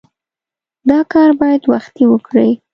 دا کار باید وختي وکړې.